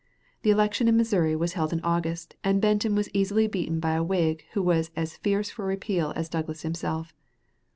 The election in Missouri was held in August, and Benton was easily beaten by a Whig who was as fierce for repeal as Douglas himself.